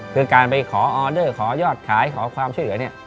คือการไปขอออเดอร์ขอยอดขายขอความช่วยเหลือเนี่ย